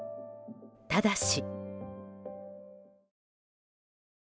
ただし。